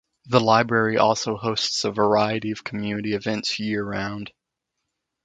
The library also hosts a variety of community events year round.